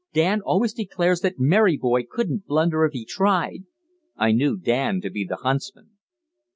Dan always declares that Merry Boy couldn't blunder if he tried" I knew Dan to be the huntsman.